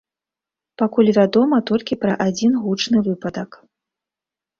Пакуль вядома толькі пра адзін гучны выпадак.